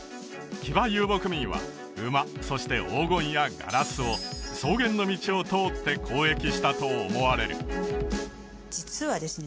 騎馬遊牧民は馬そして黄金やガラスを草原の道を通って交易したと思われる実はですね